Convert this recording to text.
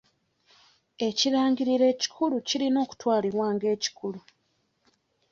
Ekirangiriro ekikulu kirina okutwalibwa ng'ekikulu.